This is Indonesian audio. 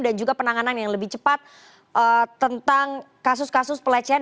dan juga penanganan yang lebih cepat tentang kasus kasus pelecehan